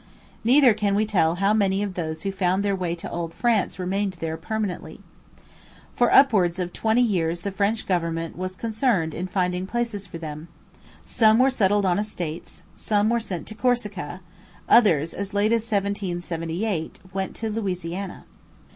Neither can we tell how many of those who found their way to Old France remained there permanently. For upwards of twenty years the French government was concerned in finding places for them. Some were settled on estates; some were sent to Corsica; others, as late as 1778, went to Louisiana.